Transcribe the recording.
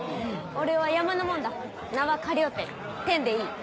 俺は山のもんだ名は河了貂貂でいい。